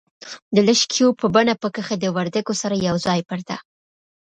د لږکیو په بڼه پکښې د وردگو سره یوځای پرته